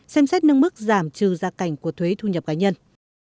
xem xét nâng mức giảm trừ gia cảnh của thuế thu nhập cá nhân